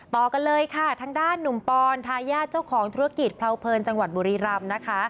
ต่อกันเลยค่ะทางด้านหนุ่มปอนทายาทเจ้าของธุรกิจเพราเพลินจังหวัดบุรีรำนะคะ